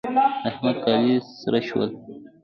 د احمد کالي سره شول.